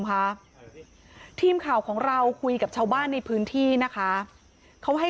ค่ะทีมข่าวของเราคุยกับชาวบ้านในพื้นที่นะคะเขาให้